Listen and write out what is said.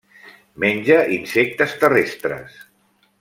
Menja insectes terrestres.